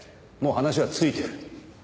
もう話はついてる。